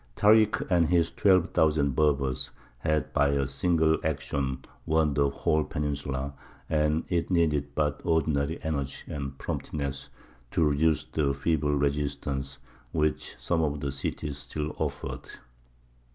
Tārik and his twelve thousand Berbers had by a single action won the whole peninsula, and it needed but ordinary energy and promptness to reduce the feeble resistance which some of the cities still offered.